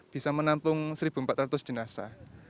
bisa menampung satu empat ratus jenazah